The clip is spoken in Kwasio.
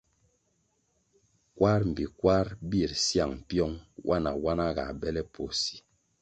Kwar mbpi kwar bir syang pyong, nwana-nwana ga bele poh si.